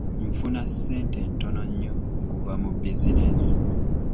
Nfuna ssente ntono nnyo okuva mu bizinensi.